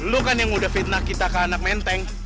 lu kan yang udah fitnah kita ke anak menteng